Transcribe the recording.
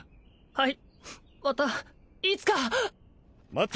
はい！